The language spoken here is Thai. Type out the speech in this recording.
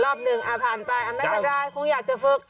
รอบหนึ่ง่าน่าจะได้คงอยากจะฝึก